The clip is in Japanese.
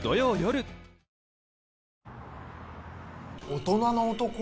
大人の男？